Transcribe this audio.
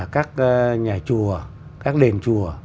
các nhà chùa các đền chùa